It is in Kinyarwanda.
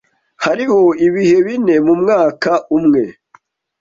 Hariho ibihe bine mumwaka umwe.